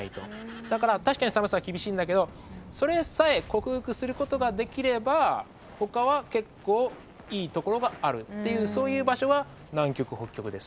だから確かに寒さは厳しいんだけどそれさえ克服することができればほかは結構いいところがあるっていうそういう場所が南極北極です。